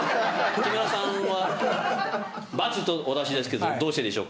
木村さんは「×」とお出しですけどどうしてでしょうか？